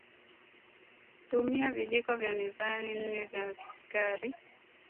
tumia Vijiko vya mezani nne vya sukari